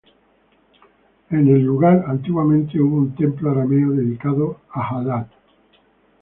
En el lugar antiguamente hubo un templo arameo dedicado a Hadad.